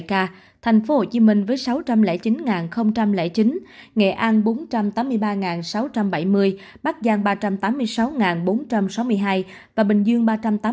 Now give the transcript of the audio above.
hà nội là một năm trăm chín mươi năm chín trăm năm mươi bảy ca thành phố hồ chí minh với sáu trăm linh chín chín nghệ an bốn trăm tám mươi ba sáu trăm bảy mươi bắc giang ba trăm tám mươi sáu bốn trăm sáu mươi hai và bình dương ba trăm tám mươi ba bảy trăm một mươi chín